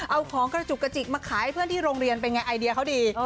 เอาของกระจุกกระจิกมาขายให้เพื่อนที่โรงเรียนเป็นไงไอเดียเขาดี